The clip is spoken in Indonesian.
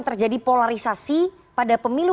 terjadi polarisasi pada pemilu